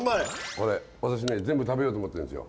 これ私ね全部食べようと思ってるんですよ。